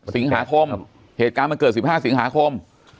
สิงหาคมเหตุการณ์มันเกิด๑๕สิงหาคม